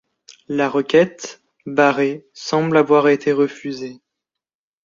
La requête, barrée, semble avoir été refusée.